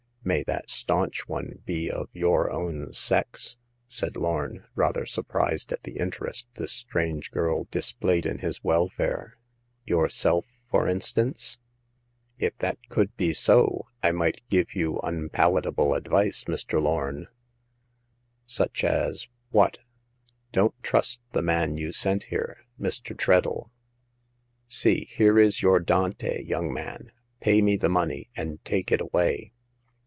" May that staunch one be of your own sex," said Lorn, rather surprised at the interest this strange girl displayed in his welfare — "yourself, for instance ?"" If that could be so, I might give you unpala table advice, Mr. Lorn." " Such as— what ?"Don't trust the man you sent here — Mr. Treadle. See, here is your Dante, young man. Pay me the money, and take it away."